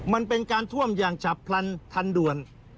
มันเป็นการท่วมอย่างฉับพลันทันด่วน